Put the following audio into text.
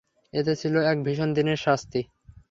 এতে ছিল এক ভীষণ দিনের শাস্তি।